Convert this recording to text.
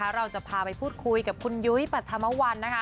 เราจะพาไปพูดคุยกับคุณยุ้ยปัธมวัล